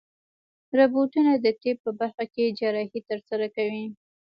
روبوټونه د طب په برخه کې جراحي ترسره کوي.